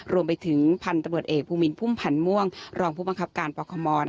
รวมไปถึงพันตรวจเอกพูมิลพุ่มพันม่วงรองพูพังคับการปม